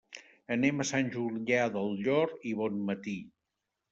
Anem a Sant Julià del Llor i Bonmatí.